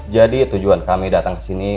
jadi tujuan kami datang kesini